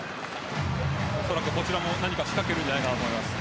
おそらくこちらも何か仕掛けるんじゃないかなと思います。